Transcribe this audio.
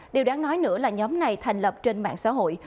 điều đáng nói nữa là nhóm này thành lập trên mạng xã hội